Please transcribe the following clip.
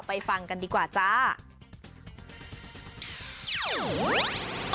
ฟังกันดีกว่าจ้า